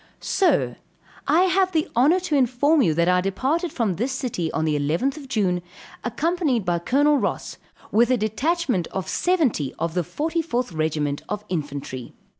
Sir I have the honor to inform you that I departed from this city on the 11th June, accompanied by Col. Ross, with a detachment of seventy of the 44th regiment of infantry.